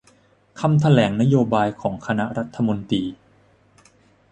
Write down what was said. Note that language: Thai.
คำแถลงนโยบายของคณะรัฐมนตรี